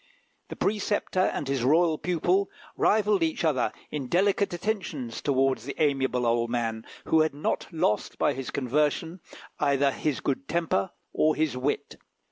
The preceptor and his royal pupil rivalled each other in delicate attentions towards the amiable old man, who had not lost by his conversion either his good temper or his wit.